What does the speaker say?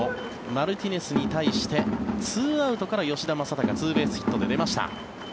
マルティネスに対して２アウトから吉田正尚ツーベースヒットで出ました。